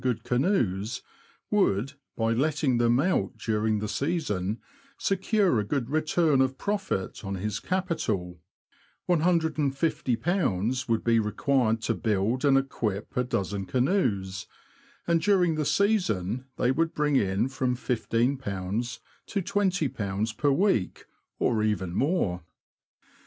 99 good canoes would, by letting them out during the season, secure a good return of profit on his capital : ;{^I50 would be required to build and equip a dozen canoes, and during the season they would bring in from £15 to £20 per week, or even more.